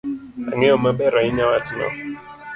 Ang'eyo maber ahinya wachno.